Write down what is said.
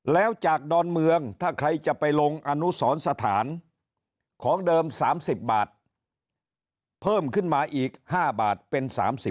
แล้วจากดอนเมืองถ้าใครจะไปลงอนุสรสถานของเดิม๓๐บาทเพิ่มขึ้นมาอีก๕บาทเป็น๓๐